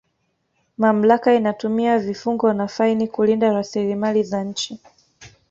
mamlaka inatumia vifungo na faini kulinda rasilimali za nchi